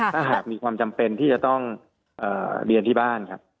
ถ้าหากมีความจำเป็นที่จะต้องเรียนที่บ้านครับ